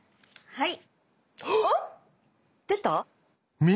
はい。